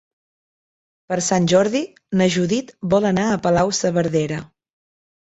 Per Sant Jordi na Judit vol anar a Palau-saverdera.